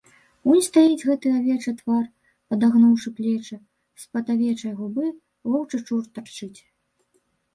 Унь стаіць гэты авечы твар, падагнуўшы плечы, з-пад авечай губы воўчы чуб тырчыць.